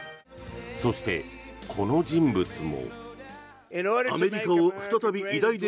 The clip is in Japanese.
そして、この人物も。